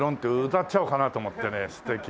歌っちゃおうかなと思ってね素敵な。